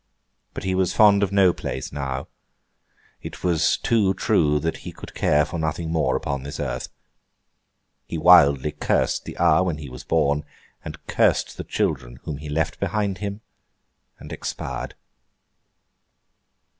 But he was fond of no place now; it was too true that he could care for nothing more upon this earth. He wildly cursed the hour when he was born, and cursed the children whom he left behind him; and expired.